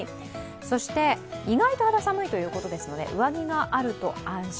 そして、意外と肌寒いということですので上着があると安心。